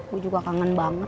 gue juga kangen banget